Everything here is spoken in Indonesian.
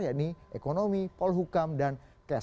yakni ekonomi polhukam dan kes